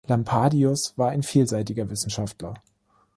Lampadius war ein vielseitiger Wissenschaftler.